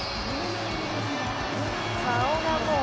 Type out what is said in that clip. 「顔がもう」